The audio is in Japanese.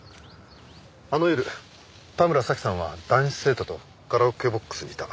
あの夜田村紗季さんは男子生徒とカラオケボックスにいた。